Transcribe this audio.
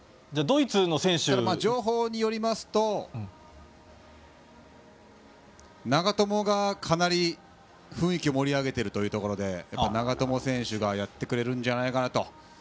情報によりますと長友がかなり雰囲気を盛り上げているということで長友選手がやってくれるんじゃないかなと。